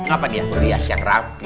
kenapa dia berhias yang rapi